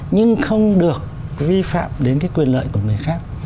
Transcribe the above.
nhưng không được vi phạm đến cái quyền lợi của người khác